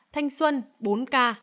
thanh xuân bốn ca